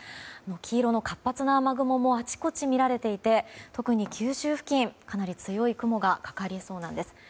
黄色の活発な雨雲もあちこち見られていて特に九州付近、かなり強い雲がかかりそうなんです。